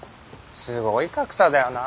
すごい格差だよな。